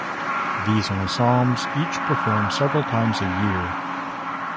These ensembles each perform several times a year.